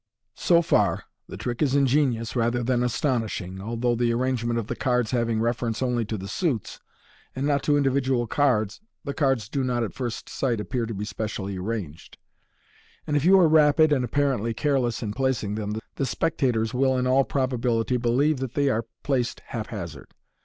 So far, the trick is ingenious rather than astonishing, although, the arrangement of the cards having reference only to the suits, and not to individual cards, the cards do not at first sight appear to be specially arranged ; and if you are rapid and apparently careless in placing them, the spectators will in all probability believe that they are placed hap hazard.